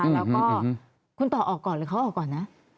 แล้วก็คุณต่อออกก่อนหรือเขาออกก่อนนะ